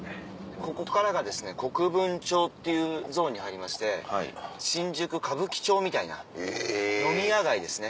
ここからが国分町っていうゾーンに入りまして新宿歌舞伎町みたいな飲み屋街ですね